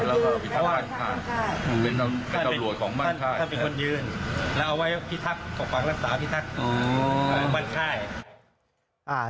แล้วเอาไว้ผิดถามของกลางรัษฎาผิดถามบ้านข้าย